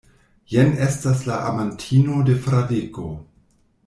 Jen estas la amantino de Fradeko.